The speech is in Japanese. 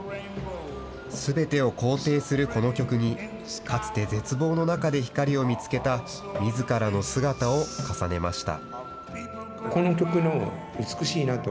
すべてを肯定するこの曲に、かつて絶望の中で光を見つけたみずからの姿を重ねました。